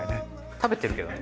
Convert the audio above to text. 食べてるけどね。